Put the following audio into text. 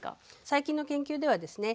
最近の研究ではですね